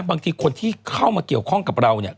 บางทีคนที่เข้ามาเกี่ยวกับเรานี้